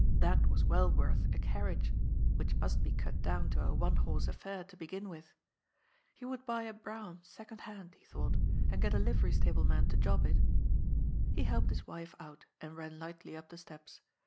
That was well worth a carriage, which must be cut down to a one horse affair to begin with. He would buy a brougham second hand, he thought, and get a livery stable man to job it. He helped his wife out and ran lightly up the steps.